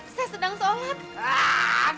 saya sedang sholat